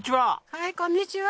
はいこんにちは。